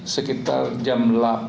sekitar jam delapan empat puluh tiga